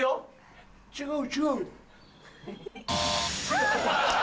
違う。